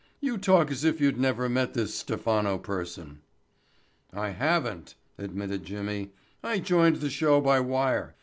"You talk as if you'd never met this Stephano person." "I haven't," admitted Jimmy. "I joined the show by wire.